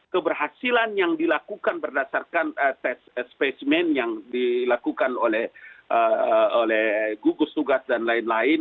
keberhasilan yang dilakukan berdasarkan tes spesimen yang dilakukan oleh gugus tugas dan lain lain